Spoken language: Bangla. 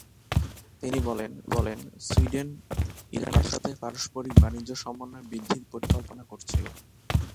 তিনি বলেন, সুইডেন, ইরানের সাথে পারস্পরিক বাণিজ্য সমন্বয় বৃদ্ধির পরিকল্পনা করছিল।